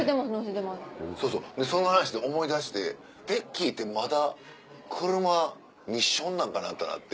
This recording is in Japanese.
そうそうでその話で思い出してベッキーってまだ車ミッションなんかな？ってなって。